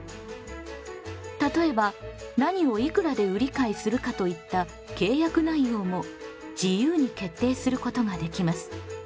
例えば何をいくらで売り買いするかといった契約内容も自由に決定することができます。